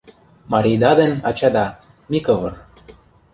Марийда ден ачада — Микывыр».